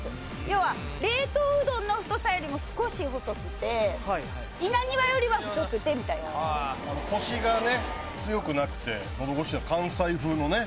要は冷凍うどんの太さよりも少し細くて稲庭よりは太くてみたいなのね